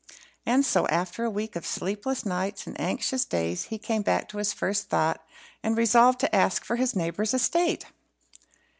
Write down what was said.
And so, after a week of sleepless nights and anxious days, he came back to his first thought, and resolved to ask for his neighbour's estate.